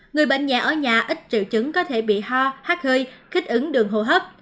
người bệnh nhẹ ở nhà ít triệu chứng có thể bị ho hát hơi khích ứng đường hồ hấp